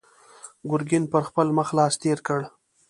ګرګين پر خپل مخ لاس تېر کړ.